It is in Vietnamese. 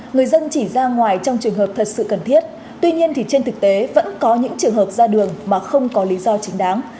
người dân chỉ ra ngoài trong trường hợp thật sự cần thiết tuy nhiên thì trên thực tế vẫn có những trường hợp ra đường mà không có lý do chính đáng